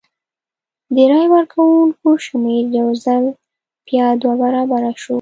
د رای ورکوونکو شمېر یو ځل بیا دوه برابره شو.